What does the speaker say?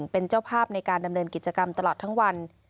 เป็นเจ้าภาพในการดำเนินกิจกรรมตลอดทั้งวัน